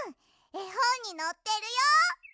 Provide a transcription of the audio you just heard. えほんにのってるよ。